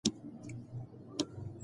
هغه ستونزې چې پټې پاتې وي خطرناکې دي.